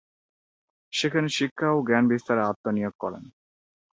সেখানে শিক্ষা ও জ্ঞান বিস্তারে আত্মনিয়োগ করেন।